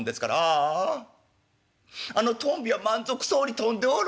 「あああのトンビは満足そうに飛んでおるな。